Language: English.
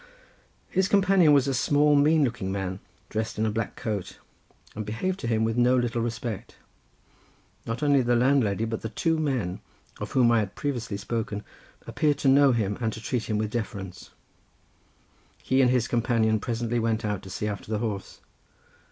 His companion was a small mean looking man dressed in a black coat, and behaved to him with no little respect. Not only the landlady but the two men, of whom I have previously spoken, appeared to know him and to treat him with deference. He and his companion presently went out to see after the horse.